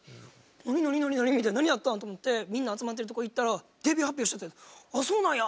なになになに？みたいな何あったん？と思ってみんな集まってるとこ行ったらデビュー発表しててああそうなんや。